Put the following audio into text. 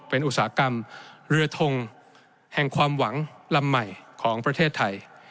เป็นอุตสาหกรรมเรือทงแห่งความหวังลำใหม่ของประเทศไทย